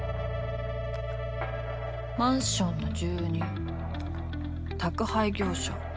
マンションの住人宅配業者。